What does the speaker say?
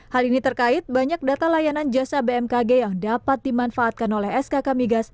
hal ini terkait banyak data layanan jasa bmkg yang dapat dimanfaatkan oleh skk migas